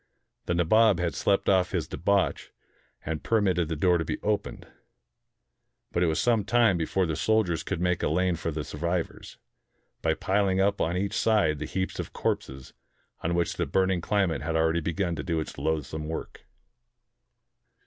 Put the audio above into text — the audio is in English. The Nabob had slept off his debauch, and per mitted the door to be opened. But it was some time be fore the soldiers could make a lane for the survivors, by piling up on each side the heaps of corpses on which the burning climate had already begun to do its loathsome work.